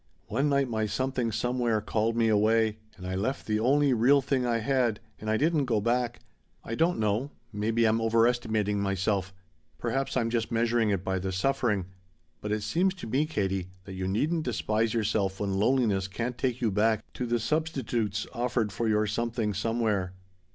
One night my Something Somewhere called me away and I left the only real thing I had and I didn't go back. I don't know maybe I'm overestimating myself perhaps I'm just measuring it by the suffering but it seems to me, Katie, that you needn't despise yourself when loneliness can't take you back to the substitutes offered for your Something Somewhere.